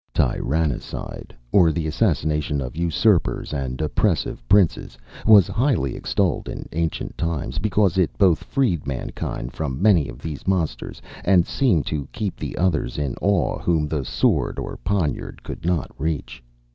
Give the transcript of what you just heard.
Tyrannicide, or the assassination of usurpers and oppressive princes, was highly extolled in ancient times; because it both freed mankind from many of these monsters, and seemed to keep the others in awe whom the sword or poniard could not reach.